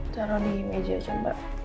taruh di meja aja mbak